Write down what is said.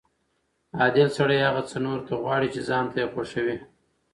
عادل سړی هغه څه نورو ته غواړي چې ځان ته یې خوښوي.